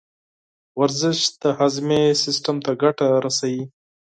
ورزش د هاضمې سیستم ته ګټه رسوي.